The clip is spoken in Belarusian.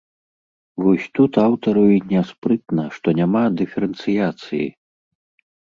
Вось тут аўтару й няспрытна, што няма дыферэнцыяцыі.